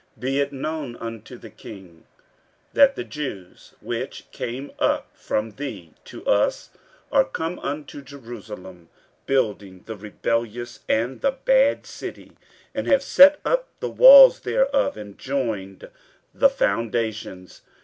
15:004:012 Be it known unto the king, that the Jews which came up from thee to us are come unto Jerusalem, building the rebellious and the bad city, and have set up the walls thereof, and joined the foundations.